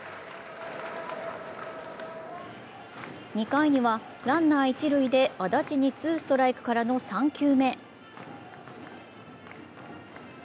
２回には、ランナー一塁で安達にツーストライクからの３球目。